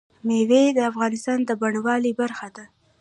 مېوې د افغانستان د بڼوالۍ برخه ده.